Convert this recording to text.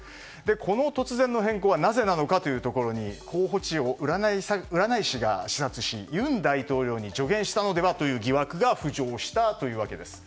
この突然の変更はなぜなのかというところに候補地を占い師が視察し尹大統領に助言したのではという疑惑が浮上したというわけです。